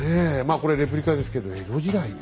これレプリカですけど江戸時代に。